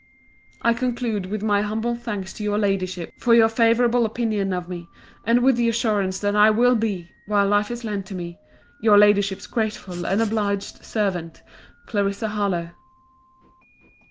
I conclude with my humble thanks to your Ladyship for your favourable opinion of me; and with the assurance that I will be, while life is lent me, Your Ladyship's grateful and obliged servant, CLARISSA HARLOWE.